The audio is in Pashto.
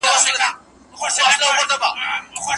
پلار هغه د انتيکو بازار ته ولېږه.